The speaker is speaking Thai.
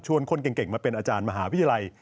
คนเก่งมาเป็นอาจารย์มหาวิทยาลัย